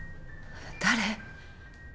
誰？